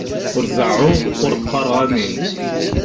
Ur deɛɛuɣ, ur qqaṛeɣ amin.